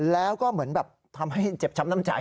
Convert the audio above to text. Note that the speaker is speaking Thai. แล้วก็เหมือนแบบทำให้เจ็บช้ำน้ำใจ